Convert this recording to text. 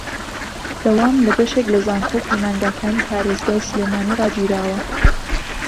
دەوام لە بەشێک لە زانکۆ و پەیمانگاکانی پارێزگای سلێمانی ڕاگیراوە